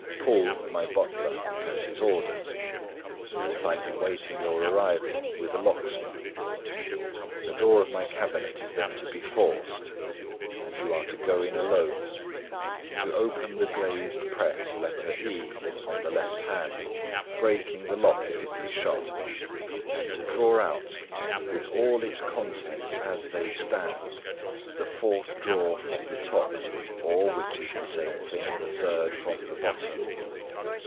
Poole, my butler, has his orders; you will find him waiting your arrival with a locksmith. The door of my cabinet is then to be forced; and you are to go in alone; to open the glazed press (letter E) on the left hand, breaking the lock if it be shut; and to draw out, with all its contents as they stand, the fourth drawer from the top or (which is the same thing) the third from the bottom.